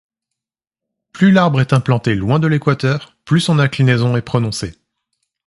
Plus l'arbre est implanté loin de l'équateur, plus son inclinaison est prononcée.